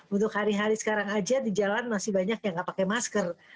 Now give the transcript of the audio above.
untuk hari hari sekarang aja di jalan masih banyak yang nggak pakai masker